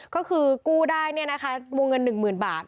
ก็คือกู้ได้วงเงิน๑๐๐๐บาท